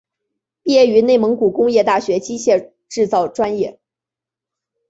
毕业于内蒙古工业大学机械制造专业。